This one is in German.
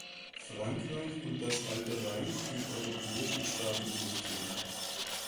Frankreich und das Alte Reich im europäischen Staatensystem.